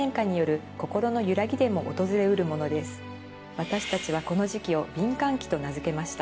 私たちはこの時期を「敏感期」と名付けました。